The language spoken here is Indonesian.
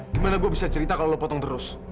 gimana gue bisa cerita kalau lo potong terus